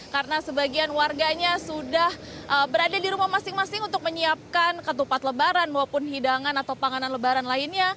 karena sebagian warganya sudah berada di rumah masing masing untuk menyiapkan ketupat lebaran maupun hidangan atau panganan lebaran lainnya